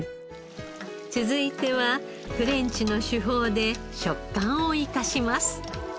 続いてはフレンチの手法で食感を生かします。